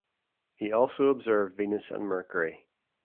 He also observed Venus and Mercury.